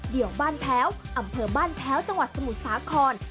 เดียวบ้านแพ้วอำเภอบ้านแพ้วจังหวัดสมุทรสาคร